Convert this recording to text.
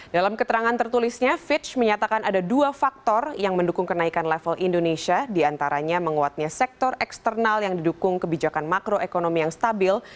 dalam keterangan tertulisnya fitch menyatakan ada dua faktor yang mendukung kenaikan level indonesia diantaranya menguatnya sektor eksternal yang didukung kebijakan makroekonomi yang stabil